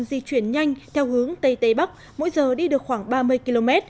tâm bão di chuyển nhanh theo hướng tây tây bắc mỗi giờ đi được khoảng ba mươi km